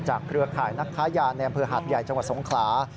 เครือข่ายนักค้ายาในอำเภอหาดใหญ่จังหวัดสงขลา